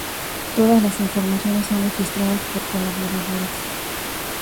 Todas las informaciones son registradas por colaboradores.